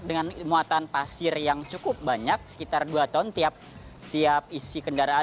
dengan muatan pasir yang cukup banyak sekitar dua ton tiap isi kendaraan